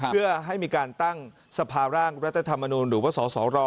เพื่อให้มีการตั้งสภาร่างรัฐธรรมนูลหรือว่าสสร